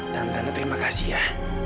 tante ana terima kasih ya